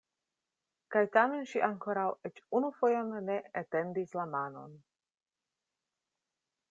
Kaj tamen ŝi ankoraŭ eĉ unu fojon ne etendis la manon.